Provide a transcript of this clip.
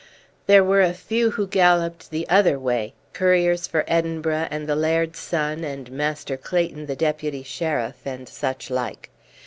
There were a few who galloped the other way, couriers for Edinburgh, and the laird's son, and Master Clayton, the deputy sheriff, and such like.